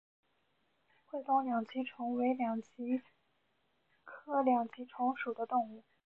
会东两极虫为两极科两极虫属的动物。